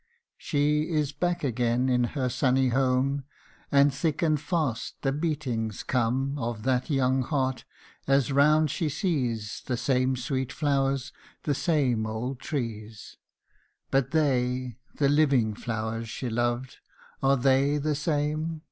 She is back again in her sunny home, And thick and fast the beatings come Of that young heart, as round she sees The same sweet flowers, the same old trees ; But they, the living flowers she loved, Are they the same